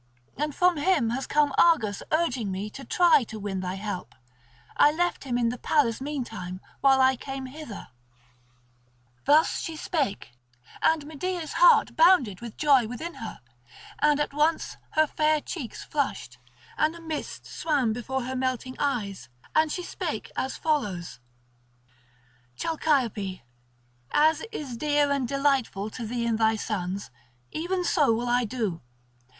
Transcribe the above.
And from him has come Argus urging me to try to win thy help; I left him in the palace meantime while I came hither." Thus she spake, and Medea's heart bounded with joy within her, and at once her fair cheeks flushed, and a mist swam before her melting eyes, and she spake as follows: "Chalciope, as is dear and delightful to thee and thy sons, even so will I do.